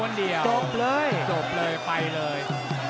จบเลยจบเลยไปเลย